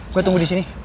gue tunggu disini